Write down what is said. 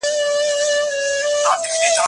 د شخصیتونو په اړه خپل نظر په عدل برابر کړئ.